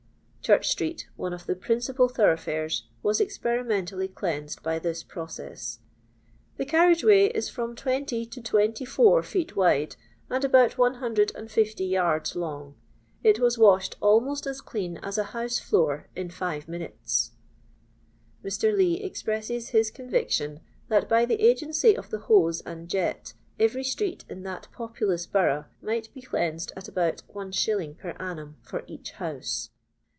Church street, one of the prin cipal thoroughfiires, was experimentally cleansed by this process :" The carriage way is from 20 to 24 feet wide, and about 150 yards lon^. It was washed almost as clean as a house floor m five minutes." Mr. Lee expresses his conviction that, by the agency of the hose and jet, every street in that populous borough mieht be cleansed at about Is. per annum for each house.